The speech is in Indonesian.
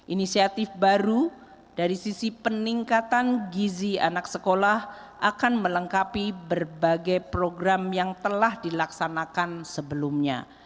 inisiatif baru dari sisi peningkatan gizi anak sekolah akan melengkapi berbagai program yang telah dilaksanakan sebelumnya